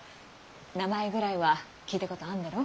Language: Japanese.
名前ぐらいは聞いたことあんだろ？